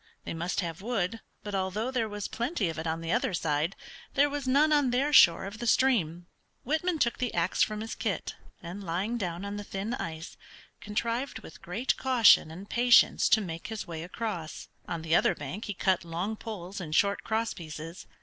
They must have wood, but although there was plenty of it on the other side, there was none on their shore of the stream. Whitman took the ax from his kit, and lying down on the thin ice, contrived with great caution and patience to make his way across. On the other bank he cut long poles and short cross pieces.